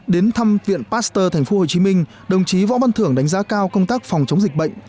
đến thăm viện pasteur tp hcm đồng chí võ văn thưởng đánh giá cao công tác phòng chống dịch bệnh